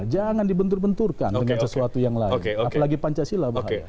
jangan dibentur benturkan dengan sesuatu yang lain apalagi pancasila bahaya